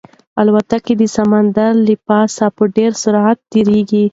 الوتکه د سمندر له پاسه په ډېر سرعت تېرېده.